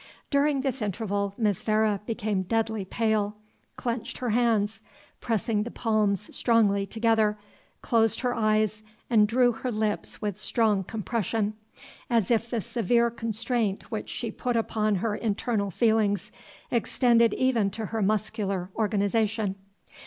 During this interval, Miss Vere became deadly pale, clenched her hands, pressing the palms strongly together, closed her eyes, and drew her lips with strong compression, as if the severe constraint which she put upon her internal feelings extended even to her muscular organization.